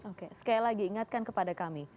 oke sekali lagi ingatkan kepada kami